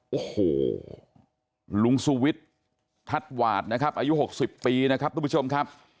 โอ้โหลุงสุวิทย์ทัศน์หวาดนะครับอายุ๖๐ปีนะครับทุกผู้ชมครับ